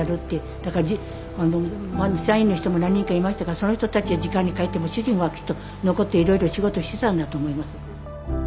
だから社員の人も何人かいましたがその人たちは時間に帰っても主人はきっと残っていろいろ仕事してたんだと思います。